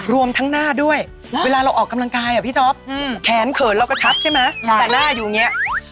รวมทั้งหน้าด้วยเวลาเราออกกำลังกายพี่ท็อปแขนเขินเรากระชับใช่ไหมแต่หน้าอยู่อย่างนี้